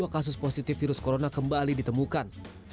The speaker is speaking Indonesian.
dua kasus positif virus corona kembali ditemukan